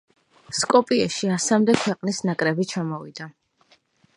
სკოპიეში ასამდე ქვეყნის ნაკრები ჩამოვიდა.